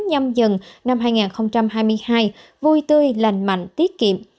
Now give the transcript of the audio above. nhâm dần năm hai nghìn hai mươi hai vui tươi lành mạnh tiết kiệm